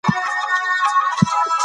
علمي پلټنه د عادي مطالعې په پرتله کره ده.